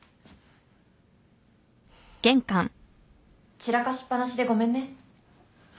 ・散らかしっぱなしでごめんね。